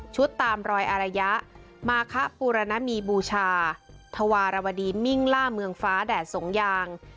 ตามรอยอารยะมาคะปูรณมีบูชาธวารวดีมิ่งล่าเมืองฟ้าแดดสงยาง